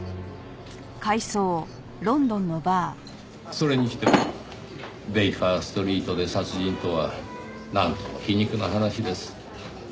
それにしてもベイカーストリートで殺人とはなんとも皮肉な話です。